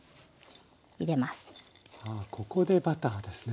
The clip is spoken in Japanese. ここでバターですね。